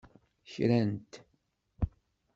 Kran-t.